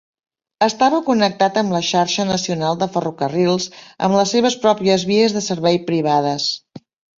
Estava connectat amb la xarxa nacional de ferrocarrils, amb les seves pròpies vies de servei privades.